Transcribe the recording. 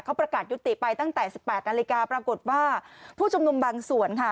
เขาประกาศยุติไปตั้งแต่๑๘นาฬิกาปรากฏว่าผู้ชุมนุมบางส่วนค่ะ